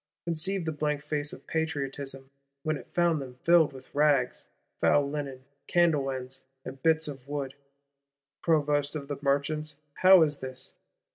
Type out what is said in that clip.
—Conceive the blank face of Patriotism, when it found them filled with rags, foul linen, candle ends, and bits of wood! Provost of the Merchants, how is this?